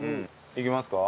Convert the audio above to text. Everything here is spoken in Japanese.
いきますか？